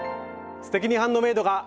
「すてきにハンドメイド」が。